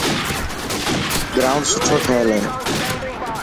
گرائونڊ سٺو ٺهيل هي.